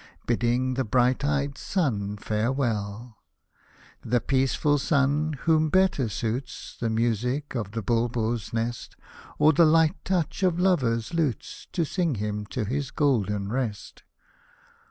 Bidding the bright eyed sun farewell ;— The peaceful sun, whom better suits The music of the bulbul's nest. Or the light touch of lovers' lutes, To sing him to his golden rest.